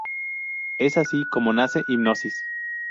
Es así como nace Hipnosis.